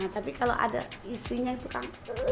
tapi kalau ada istrinya itu kang